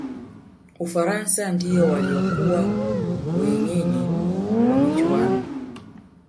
ufaransa ndiyo waliyokuwa waenyeji wa michuano